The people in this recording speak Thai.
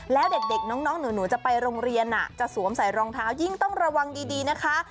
แล้วเด็กน้องหนูจะไปโรงเรียนจะสวมใส่รองเท้ายิ่งต้องระวังดีนะคะ